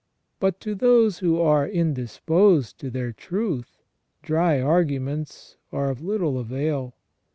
But to those who are indisposed to their truth, dry arguments are of little avail.